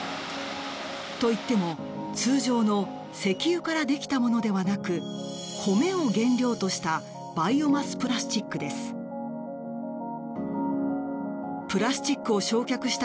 といっても、通常の石油からできたものではなく米を原料としたバイオマスプラスチックです。